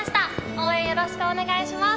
応援よろしくお願いします。